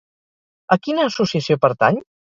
A quina associació pertany?